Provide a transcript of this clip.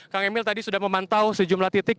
kang emil tadi sudah memantau sejumlah titik